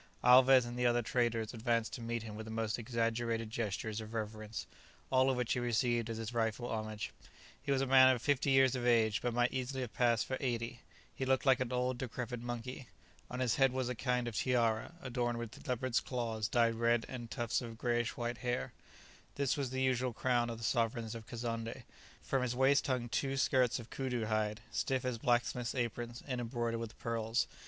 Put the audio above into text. Alvez and the other traders advanced to meet him with the most exaggerated gestures of reverence, all of which he received as his rightful homage. He was a man of fifty years of age, but might easily have passed for eighty. He looked like an old, decrepit monkey. On his head was a kind of tiara, adorned with leopards' claws dyed red, and tufts of greyish white hair; this was the usual crown of the sovereigns of Kazonndé. From his waist hung two skirts of coodoo hide, stiff as blacksmiths' aprons, and embroidered with pearls.